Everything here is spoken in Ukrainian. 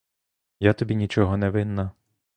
Я тобі нічого не винна!